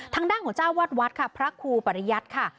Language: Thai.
ทางด้านของเจ้าวัดวัดค่ะพระครูปริยัติค่ะ